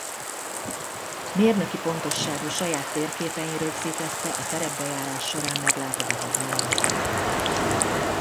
Mérnöki pontosságú saját térképein rögzítette a terepbejárás során meglátogatott malmokat.